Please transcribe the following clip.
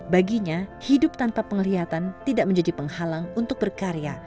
baginya hidup tanpa penglihatan tidak menjadi penghalang untuk berkarya